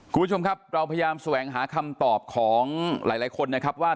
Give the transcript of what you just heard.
คุณผู้ชมครับเราพยายามแสวงหาคำตอบของหลายคนนะครับว่า